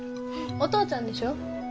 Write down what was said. お父ちゃんでしょ。